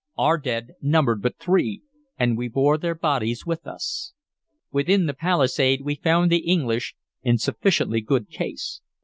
Our dead numbered but three, and we bore their bodies with us. Within the palisade we found the English in sufficiently good case.